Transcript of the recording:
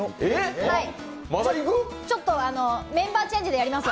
ちょっとメンバーチェンジでやります。